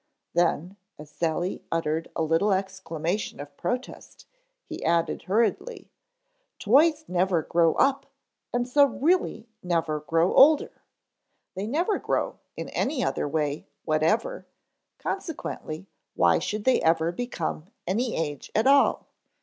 Then, as Sally uttered a little exclamation of protest, he added hurriedly: "Toys never grow up and so really never grow older. They never grow in any other way whatever, consequently why should they ever become any age at all?